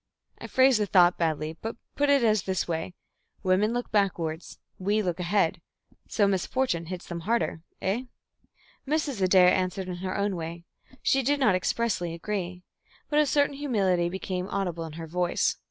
I phrase the thought badly. But put it this way: Women look backwards, we look ahead; so misfortune hits them harder, eh?" Mrs. Adair answered in her own way. She did not expressly agree. But a certain humility became audible in her voice.